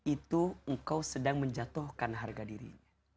itu engkau sedang menjatuhkan harga dirinya